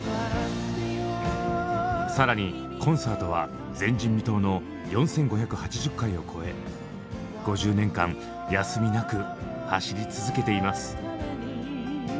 更にコンサートは前人未到の４，５８０回を超え５０年間休みなく走り続けています。